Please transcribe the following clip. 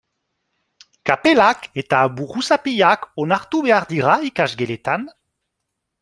Kapelak eta buruzapiak onartu behar dira ikasgeletan?